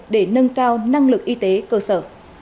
để nâng cao năng lực y tế cơ sở